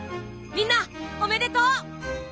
みんなおめでとう！